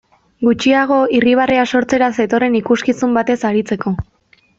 Gutxiago irribarrea sortzera zetorren ikuskizun batez aritzeko.